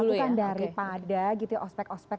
itu bisa dilakukan daripada gitu ya ospek ospek